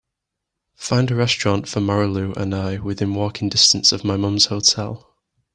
Find a restaurant for marylou and I within walking distance of my mum's hotel